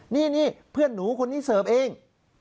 นี่เพื่อนหนูคนนี้เสิร์ฟเอง